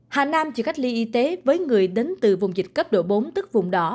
hà nam chỉ cách ly y tế với người đến từ vùng dịch cấp độ bốn tức vùng đỏ